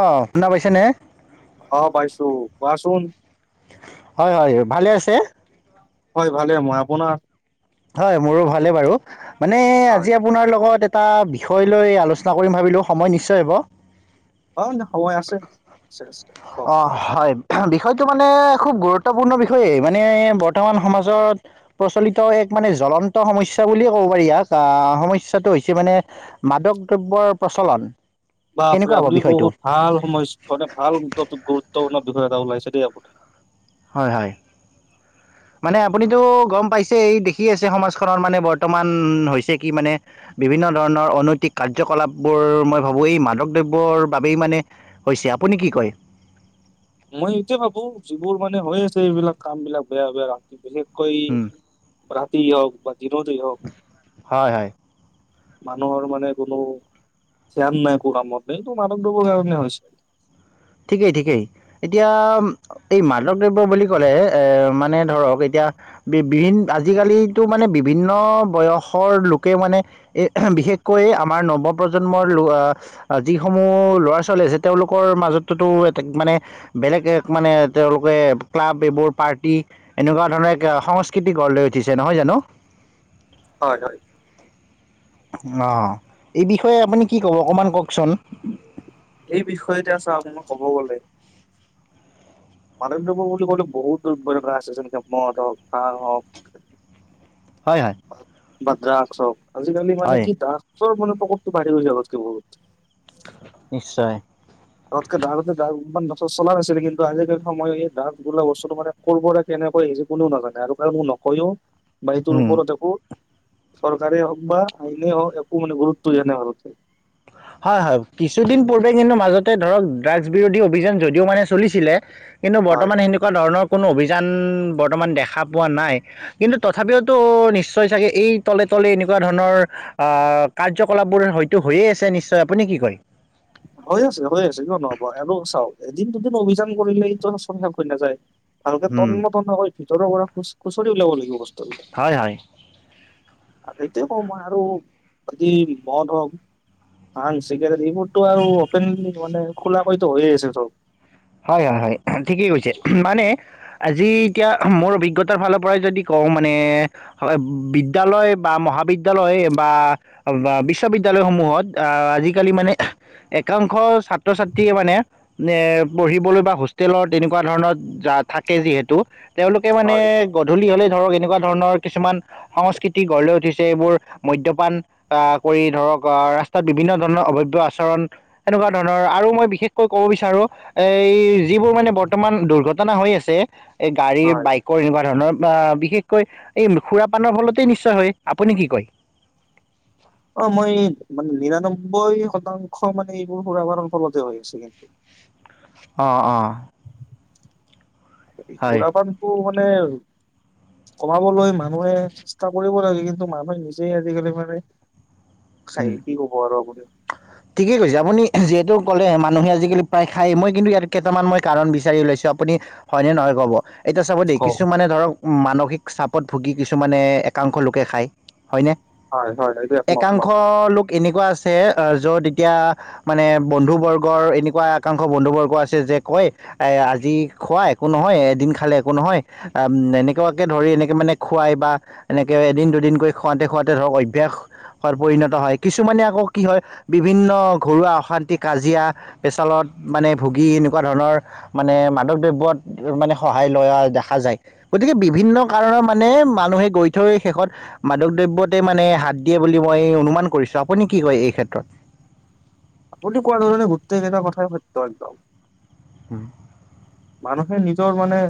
অ শুনা পাইছে নে। অ বাইছো কোৱাচোন। হয় হয় ভালে আছে। হয় ভালে মই আপোনাৰ। হয় মোৰো ভালে বাৰু মানে হয় আজি আপোনাৰ লগত। এটা বিষয় লৈ আলোচনা কৰিম ভাবিলো সময় নিশ্চয় হ'ব। অ, সময় আছে। আছে আছে, কওক। অ হয় বিষয়টো মানে খুব গুৰুত্বপূৰ্ণ বিষয়েই। মানে বৰ্তমান সমাজত প্ৰচলিত এক মানে জ্বলন্ত সমস্যা বুলিয়ে ক'ব পাৰি ইয়াক, আহ সমস্যাটো হৈছে মানে, মাদক দ্ৰব্যৰ প্ৰ চলন। বাপৰে, আপুনি বহুত ভাল সমস্য- মানে ভাল গুৰুত্বপূৰ্ণ বিষয় এটা ওলাইছে। দেই আপুনি। হয় হয়। [inaudible] মানে আপুনিতো গম পাইছেই। দেখি আছে সমাজখনত মানে বৰ্তমান হৈছে কি মানে। বিভি ন্ন ধৰণৰ অনৈতিক কাৰ্যকলাপবোৰ মই ভাবো, এই মাদক দ্ৰব্যৰ বাবেই মানে হৈছে। আপুনি কি কয়? মই এইটোৱেই ভাবোঁ। যিবোৰ মানে হৈ আছে এইবিলাক কাম বিলাক বেয়া বেয়া, ৰাতি বিশেষ কৈ উম, ৰাতি হ‌ওক বা দিনতে হ‌ওক, হয় হয় মানুহৰ মানে কোনো, ধ্যান নাই একো কামতে, এইটো মাদক দ্ৰব্যৰ কাৰণে হৈছে। ঠিকেই ঠিকেই, এতিয়া এই মাদক দ্ৰব্য বুলি ক'লে, এ মানে ধৰক এতিয়া য়া। বি বিভি- আজিকালিটো মানে বিভিন্ন বয়সৰ লোকে মানে এই বিশেষকৈ আমাৰ নৱপ্ৰজন্মৰ ল- আ, যিসমূহ ল'ৰা ছোৱালী আছে, তেওঁলোকৰ মাজত তটো মানে, বেলেগ এক মানে তেওঁলোকে ক্লাব এইবোৰ পাৰ্টি, এনেকুৱা ধৰণৰ এক সংস্কৃতি গঢ় লৈ উঠিছে, নহয় জানো? হয়, হয়। অ', এই বিষয়ে আপুনি কি কব, অকমান কওকচোন? এই বিষয়ে এতিয়া চাওক, আপোনাক কব গলে মাদক দ্ৰব্য বুলি কলে বহুত দ্ৰব্য তেনেকা আছে। যেনেকে মদ হওক, ভাং হওক। হয়, হয়। বা দ্ৰাগছ্ হ‌ওক। আজিকালি মানে হয় কি দ্ৰাগছৰ মানে প্ৰকপটো বাঢ়ি গৈছে আগতকে বহুত। নিশ্চয়। আগতকেতে দ্ৰাগ দ্ৰাগছ্ ইমান নচলা হৈছে নেকি, কিন্তু আজিকালি সময় এই দ্ৰাগছ বোলা বস্তুটো মানে কৰ পৰা কেনেকে নে কৈ সি যি কোনেও নাজানে, আৰু কাৰণ মোক নকয়ো। বা সেইটোৰ উম ওপৰত একো চৰকাৰে হওক বা আইনে হওক, একো মানে গুৰুত্ব দিয়া নাই ভাৰতে। হয়, হয়। কিছুদিন পূৰ্বে কিন্তু মাজতে ধৰক ড্ৰাগছ বিৰোধী অভিযান যদিও মানে চলিছিলে কিন্তু হয় বৰ্তমান সেনেকুৱা ধৰণৰ কোনো অভিযান বৰ্তমান দেখা পোৱা নাই। কিন্তু, তথাপিওতো নিশ্চয় চাগে এই তলে তলে এনেকুৱা ধৰণৰ আহ, কাৰ্যকলাপবোৰ হয়তো হৈয়ে আছে নিশ্চয়। আপুনি কি কয়? হৈ আছে, হৈ আছে। কিয় নহব আৰু চাওক এদিন দুদিন অভিযান কৰিলেই টো সব শেষ হৈ নাযায়। ভালকে উম তন্ন তন্নক কৰি ভিতৰৰ পৰা খুচ-খুচৰি ওলিয়াব লাগিব। হয়, হয়। সেইটোয়ে কওঁ মই, আৰু অতি মদ হওক ভাঙ, চিগাৰেট এইবোৰটো আৰু অপন মানে খুলা কৈ টো হৈয়ে আছে এইটো। হয়, হয় হয়। ঠিকেই কৈছে। মানে আজি এতিয়া মোৰ অভিজ্ঞতাৰ ফালৰ পৰাই যদি কওঁ, মানে বিদ্যালয় বা মহা বিদ্যালয় বা বিশ্ববিদ্যালয়সমূহত, আহ' আজিকালি মানে একাংশ ছাত্ৰ-ছাত্ৰীয়ে মানে, এ পঢ়িবলৈ বা হোষ্টেলৰ তেনেকুৱা ধৰণত যা- থাকে যিহেতু। তেওঁলোকে মানে হয় গধূলি হলে ধৰক এনেকুৱা ধৰণৰ কিছুমান সংস্কৃতি গঢ় লৈ উঠিছে এইবোৰ, মদ্যপান আহ কৰি ধৰক আহ ৰাস্তাত বিভিন্ন ধৰণৰ অভব্য আচৰণ, এনেকুৱা ধৰণৰ আৰু মই বিশেষকৈ ক'ব বিচাৰোঁ এই যিবোৰ মানে বৰ্তমান দুৰ্ঘটনা হৈ আছে, এই গাড়ীৰ, হয় বাইকৰ এনেকুৱা ধৰণৰ বা বিশেষকৈ এই সূৰা পানৰ ফলতেই নিশ্চয় হয়। আপুনি কি কয়? অ' মই এই, মানে নিৰানব্বৈ শতাংশ মানে এইবোৰ সূৰা পাণৰ ফলতে হৈ আছে কিন্তু। [unintelligible] অঁ', অঁ'। এই সুৰা-পানটো মানে কমাবলৈ মানুহে চেষ্টা কৰিব লাগে। কিন্তু, মানুহে নিজেই আজিকালি মানে খাই উম। কি ক'ব আৰু আপুনি ঠিকেই কৈছে, আপুনি যিহেতু কলে মানুহে আজিকালি প্ৰায় খায়। মই কিন্তু ইয়াত কেইটামান মই কাৰণ বিচাৰি উলৈছো আপুনি হয়নে নহয় কব। এতিয়া চাব দেই কওক কিছুমানে ধৰক মানসিক চাপত ভুগি কিছুমানে একাংশ লোকে খায়। হয়নে? হয়, হয়, [unintelligible] এই আ মত ম একাংশ লোক এনেকুৱা আছে, য'ত এতিয়া মানে বন্ধু বৰ্গৰ এনেকুৱা একাংশ বন্ধু বৰ্গ আছে যে কয় আজি খোৱা একো নহয় এদিন খালে একো নহয় এনেকুৱা কে ধৰা এনেকে মানে খুৱাই বা এনেকে এদিন-দুদিনকৈ খুৱাতে খুৱাতে ধৰক অভ্যাস পৰিণত হয়। কিছুমানে আকৌ কি হয় বিভিন্ন ঘৰুৱা অশান্তি কাজিয়া পেচালত মানে ভুগী এনেকুৱা ধৰণৰ মানে মাদক দ্ৰব্যত মানে সহায় লোৱা দেখা যায়। গতিকে বিভিন্ন কাৰণৰ মানে মানুহে গৈ থৈ শেষত মাদক দ্ৰবতে মানে হাত দিয়ে। বুলি মই অনুমান কৰিছো। আপুনি কি কয় এইক্ষেত্ৰত? আপুনি কোৱা ধৰণে গোটেই গেটাৰ কথাই সত্য একদম। হম। মানুহে নিজৰ মানে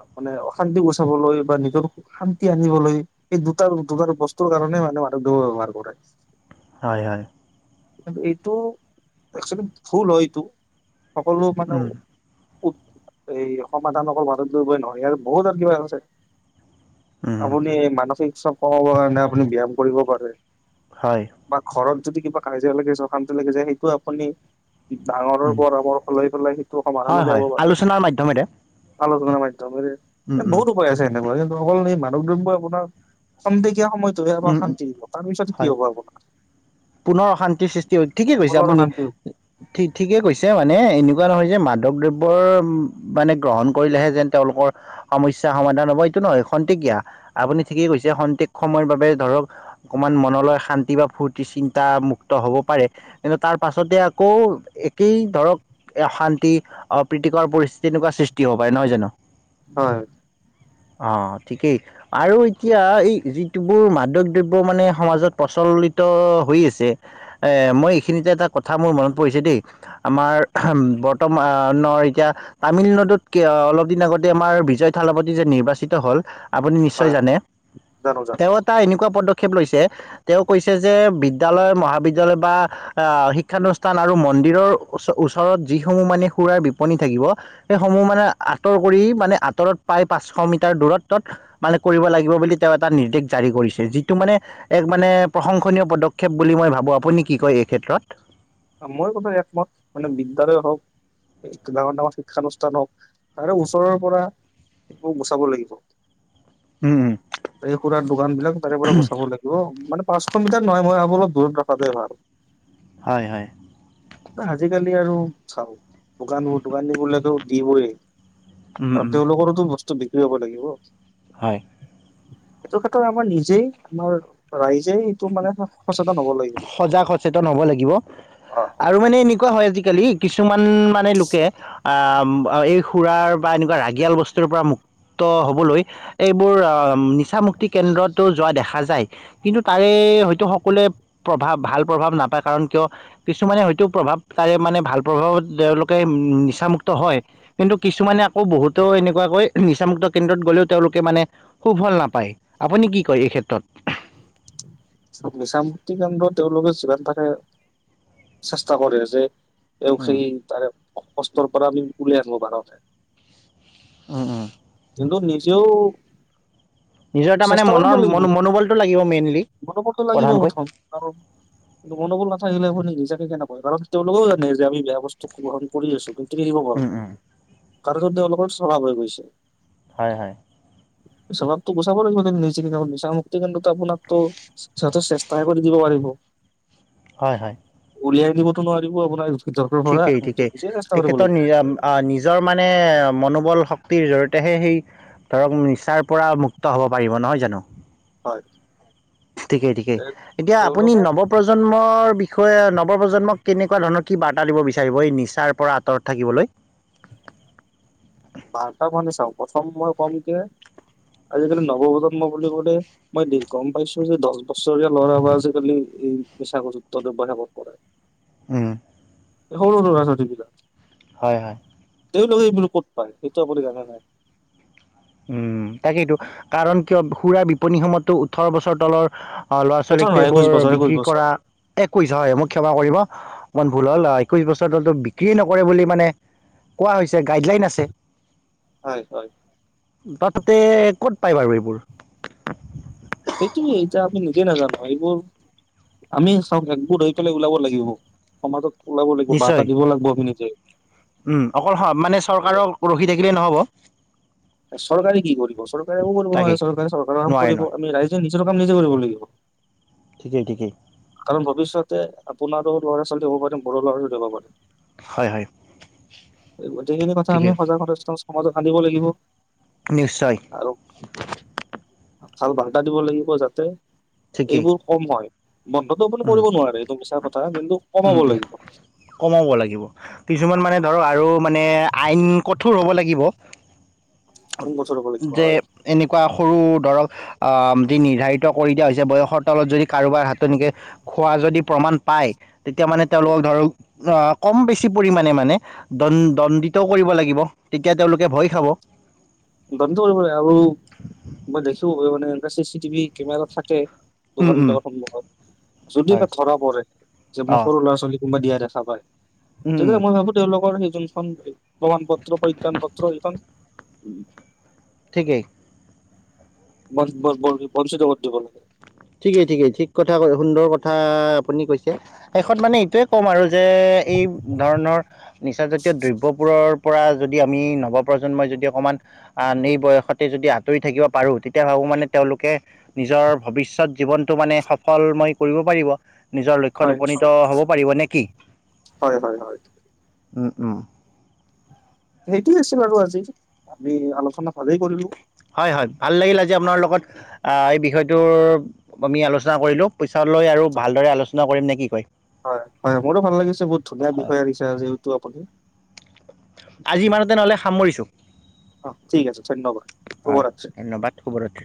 মানে অশান্তি গুচাবলৈ বা নিজৰ শান্তি আনিবলৈ এইেই দুটাৰ দুটাৰ বস্তুৰ কাৰণ মানে মাদক দ্ৰব্য ৰ ব্যৱহাৰ কৰে। হয় হয়। কিন্তু, এইটো একচেলি ভুল হয় এইটো সকলো মানো উম, এই সমাধান অকল নহয় বহুত আৰু কিবা আছে। উম, আপুনি মানসিক চাপ কমাবৰ কাৰণে আপুনি ব্যায়াম কৰিব পাৰে। হয় বা ঘৰত যদি কিবা কাজিয়া লাগে যকানটো লাগি যায় সেইটো আপুনি। ডাঙৰৰ উম, পৰামৰ্শ লৈ পেলাই সেইটো সমাধান হয় উলিয়াব হয় পাৰে। আলোচনাৰ মাধ্যমেৰে আলোচনাাৰ মাধ্যমে, উম, উম, বহুত উপায় আছে সেনেকুৱা কিন্তু অকল স মানক দ্ৰব্য আপোনাৰ সন্দে। সময়টো আবাৰ উম, উম, শান্তি দিব তাৰপিছত কি হয় হ'ব আপোনাৰ। পুনৰ অশান্তিৰ সৃষ্টি ঠিকে কৈছে মনৰ আপুনি অশান্তি হ'ব ঠিকে কৈছে মানে। এনেকুৱা নহয় যে মাদক দ্ৰব্যৰ মানে গ্ৰহণ কৰিলেহে যেন তেওঁলোকৰ, সমস্যা সমাধান হ'ব। [unintelligible] ধৰক, অকমান মনলৈ শান্তি বা ফূৰ্তি চিন্ত মুুক্ত হ'ব পাৰে তাৰ পাছতে। আকৌ একেই ধৰক অশান্তি অপ্ৰীতিকৰ পৰিস্থিতি এনেকুৱা সৃষ্টি হ'ব পাৰে নহয় জানো। হয়। অ ঠিকেই আৰু এতিয়া এই যি। যিবোৰ মাদক দ্ৰব্য মানে সমাজত প্ৰচলিত হৈ আছে মই এইখিনিতে এটা। কথা মোৰ মনত পৰিছে দেই, আমাৰ বৰ্তমানৰ এতিয়া তামিলনাডুত ক। অলপ দিন আগতে আমাৰ বিজয় থালাপতি যে নিৰ্বাচিত হল। আপুনি নিশ্চয় হয় হয় জানে জানো জানো তেওঁ এটা এনেকুৱা পদক্ষ। লৈছে তেওঁ কৈছে যে বিদ্যালয় মহাবিদ্যালয় বা শিক্ষানুষ্ঠান আৰু ম। মন্দিৰৰ ওচৰত যিসমূহ মানে সুৰাৰ বিপণী থাকিব সেইসমূহ মানে আঁতৰ কৰি মানে। আঁতৰত প্ৰায় পাঁচশ মিটাৰ দূৰত তত মানে কৰিব লাগিব বুলি তেওঁ। এটা নিৰ্দেশ জাৰি কৰিছে যিটো মানে এক মানে প্ৰশংসনীয় পদক্ষেপ বুলি মই ভাবো আপুনি কি কয় এই ক্ষেত্ৰত। ত। মই কথা একমত মানে বিদ্যালয় হওক। ডাঙৰ ডাঙৰ শিক্ষানুষ্ঠান হওক তাৰ ওচৰৰ পৰা। সেইবোৰ গুচাব লাগিব। উম উম এই খুৰাৰ দোকান বিলাক তাৰে পৰা গুচাব লাগিব মানে। পাঁচশ মিটাৰ নহয় মইাবো অলপ দূৰত ৰখাটোৱে ভাল হয় হয়। আজিকালি আৰু চাও, দোকানবোৰ দোকানী বলেতো দিবই। উম আৰু উম তেওঁলোকৰোতো বস্তু বিক্ৰী হব লাগিব। হয়। এইটো ক্ষেত্ৰত আমাৰ নিজেই, আমাৰ ৰাইজ। যে এইটো মানে সচেতন হ'ব লাগিব আৰু। সজাগ সচেতন হ'ব লাগিব আৰু মানে এনেকুৱা। আজিকালি কিছুমান মানে লোকে আহ এই সুৰাৰ বা এনেকুৱা ৰাগিয়াল বস্তুৰ পৰা মুক্ত মুক্ত হ'বলৈ এইবোৰ নিচা মুক্তি কেন্দ্ৰতো যোৱা দেখা যায় কিন্তু। হয়তো সকলোৱে প্ৰভাৱ ভাল প্ৰভাৱ নাপায়, কাৰণ কিয় কিছুমানে হয়তো প্ৰভাৱ তাৰে মানে। ভাল প্ৰভাৱ তেওঁলোকে নিচামুক্ত হয়, কিন্তু কিছুমানে আকৌ বহুতো এনেকুৱাকৈ। নিচামুক্ত কেন্দ্ৰত গ'লেও তেওঁলোকে মানে, সুফল নাপায় আপুনি কি কয় এই ক্ষেত্ৰত। নিচামুক্তি কেন্দ্ৰ তেওঁলোকে যিমান পাৰে চেষ্টা কৰে যে। এ উম সেই তাৰে কষ্টৰ পৰা আমি উওল আহনো বাৰতে। উম উম। কিন্তু নিজেও। নিজৰ এটা মানে চেষ্টা কৰিব মনৰ লাগিব, মন মনোবলটো লাগিব মেইনলি বলটো লাগিব প্ৰধানকৈ প্ৰথম। কিন্তু গণ্ডগোল নাথাকিলেখুনি। নিজাকে কেনেকুৱা কাৰণ তেওঁলোকেও জানে যে আমি বেয়া বস্তু গ্ৰহণ কৰি আছো কিন্তু কিনিব পৰা উম নাই। উম কাৰোতে অলপ অ স্বভাৱ হৈ গৈছে। হয় হয়। স্বভাৱতো গুচাব লাগিব কি নিজ নিচা মুক্তি কেন্দ্ৰতো আপোনাক ত হিতে চেষ্টাহে কৰি দিব পাৰিব [inaudible] হয় হয় দিবতো নোৱাৰিব আপোনাৰ ভিতৰৰ পৰা ঠিকেই কিন্তু ঠিকেই নিজে চেষ্টা কৰিব তেখেতৰ লাগিব নি নিজৰ মানে মনোবল সক ক্তিৰ জৰিয়তেহে সেই ধৰক নিচাৰ পৰা মুক্ত হব পাৰিব নহয় জানো হয় ঠিকেই ঠিকেই তে এতিয়া আপুনি তেওঁলোকে নৱ প্ৰজন্মৰ বিষ বিষয়ে নৱপ্ৰজন্মক কেনেকুৱা ধৰণৰ কি বাৰ্তা দিব বিচাৰিব এই নিচাৰ পৰা আঁতৰত থাকিবলৈ বাৰ্তামানে চাওক প্ৰথম মই কম যে আজিকালি নৱপ্ৰজন্ম বুলি কলে মই গম পাইছো যে দছ বছৰীয়া ল'ৰা বা আজিকালি এই নিচাযুক্ত ব্যৱহাৰ কৰে উম এখন [unintelligible] হয় হয় তেওঁলোকে এইবিলাক ক'ত পায় সেইটো আপুনি জানে নাই উম তাকেইতো কাৰণ কিয় সুুৰাৰ বিপণী খনতটো ওঠৰ বছৰ তলৰ অ ল'ৰা ওঠৰ ছোৱালীক নহয় একৈশ এইবোৰ বছৰ একৈশ বিক্ৰী বছৰ কৰা একৈশ হয় মোক ক্ষমা কৰিব অকণমান ভুল হ'ল একৈশ বছৰ টো বিক্ৰী নকৰে বুলি মানে কোৱা হৈছে গাইডলাইন আছে হয় হয় তাত তে ক'ত পায় বাৰু এইবোৰ সেইটো এইতা আপুনি নিজে নাজানো এইবোৰ আমি চাওক একগোট হৈ পেলাই ওলাব লাগিব সমাজত ওলাব লাগিব বাৰ্তা নিশ্চয় দিব লাগিব আমি নিজে উম অকল মানে চৰকাৰক ৰখি থাকিলেই নহ'ব চৰকাৰে কি কৰিব চৰকাৰে একো কৰিব তাকে নোৱাৰে চৰকাৰে চৰকাৰৰ কাম নোৱাৰে কৰিব নোৱাৰে আমি ৰাইজে নিজে টো কাম নিজে কৰিব লাগিব ঠিকেই ঠিকেই কাৰণ ভৱিষ্যতে আপোনাৰো ল'ৰা ছোৱালী হব পাৰি ল'ৰা ছোৱালী হব পাৰিম হয় হয় গোটেইখিনি কথা আমি ঠিকেই সজাগত সমাজক আনিব লাগিব লাগিব নিশ্চয়। ভাল বাৰ্তা দিব লাগিব যাতে ঠিকেই এইবোৰ কম হয়। বন্ধতটো আপুনি উম কৰিব নোৱাৰে এইটো মিছা কথা কিন্তু। উম কমাব উম, লাগিব কমাব লাগিব কিছুমান মানে। আৰু মানে আইন কঠোৰ হ'ব লাগিব। বছৰ হ'ব লাগিব যে হয়। এনেকুৱা সৰু দৰক, অ নিৰ্ধাৰিত কৰি দিয়া হৈছে বয়সৰ তলত যদি কাৰোবাৰ হাতত একে খোৱা যদি প্ৰমাণ পায়। তেতিয়া মানে তেওঁলোকক ধৰক। অঁ, কম বেছি পৰিমাণে মানে দণ্ দণ্ডিতও কৰিব লাগিব তেতিয়া তেওঁলোকে ভয় খাব। দণ্ড কৰিব লাগে আৰু মই দেখো মানে এনেকা চি চিটিভি কেমেৰা থাকে। উম দোকান উম বিলাকৰ সন্মুখত যদি না হয় ধৰা পৰে যে ম অঁ সৰু ল'ৰা ছোৱালী। কোনোবা দিয়া দেখা পায় তেতিয়া মই ভাবো তেওঁলোকৰ সেই। প্ৰমাণ পত্ৰ পৰিজ্ঞান পত্ৰ এইখন। ঠিকেই। বঞ্চিত কৰি দিব লাগে। ঠিকেই ঠিকেই ঠিক কথা ক সুন্দৰ কথা আপুনি কৈছে শেষত মানে এইটোয়ে কম আৰু। যে এই ধৰণৰ নিচাজাতীয় দ্ৰব্যবোৰৰ। পৰা যদি আমি নৱপ্ৰজন্মই যদি অকণমান নি বয়সতে যদি আঁতৰি থাকিব পাৰো তেতিয়া, মানে তেওঁলোকে নিজৰ ভৱিষ্যত জীৱনতটো মানে সফল মই কৰিব পাৰিব। নিজৰ হয় লক্ষ্যত নিশ্চয় উপনীত হ'ব পাৰিব নেকি? হয় হয় হয় উম উম! সেইটোয়ে আছিল আৰু আজি আমি আলোচনা ভালেই কৰিলো। হয় হয় ভাল লাগিল আজি আপোনাৰ লগত এই বিষয়টোৰ আমি আলোচনা কৰিলোঁ। পইচা লৈ আৰু ভালদৰে আলোচনা কৰিম নেকি কয়? হয় হয় মোৰো ভাল লাগিছে বহুত ধুনীয়া হয়, বিষয় আনিছা যিহেটো আপুনি। আজি ইমানতে নহলে সামৰিছো। অ ঠিক আছে ধন্যবাদ হয় শুভৰাত্ৰি। ধন্যবাদ শুভৰাতি।